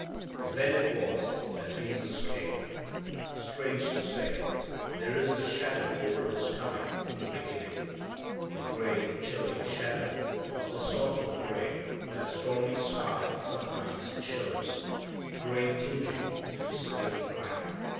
Then it was that Jesus came. Strange to say, there is a shadow over His coming from the beginning. A gray chilling shadow of the sort of gray that a stormy sky sometimes shows, gray tingeing into slaty black.